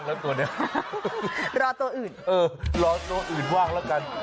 จะเป็นมั้ย